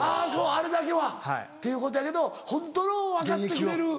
あれだけはっていうことやけどホントの分かってくれる。